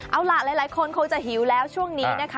เอาล่ะหลายคนคงจะหิวแล้วช่วงนี้นะคะ